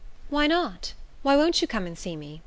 "Why not? Why won't you come and see me?